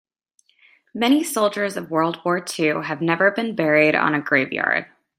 Many soldiers of world war two have never been buried on a grave yard.